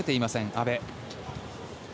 阿部。